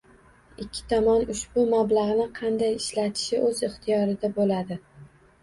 Ikki tomon ushbu mablag’ni qanday ishlatishi o’z ixtiyorida bo’ladi.